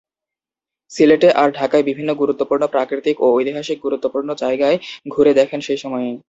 সিলেট আর ঢাকার বিভিন্ন গুরুত্বপূর্ণ প্রাকৃতিক ও ঐতিহাসিক গুরুত্বপূর্ণ জায়গায় ঘুরে দেখেন সেই সময়ে।